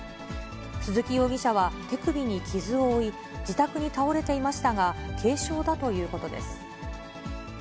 鈴木容疑者は、手首に傷を負い、自宅に倒れていましたが、軽傷だということです。